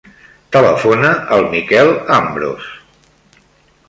Telefona al Miquel Ambros.